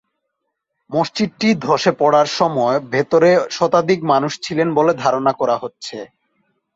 মসজিদটি ধসে পড়ার সময় ভেতরে শতাধিক মানুষ ছিলেন বলে ধারণা করা হচ্ছে।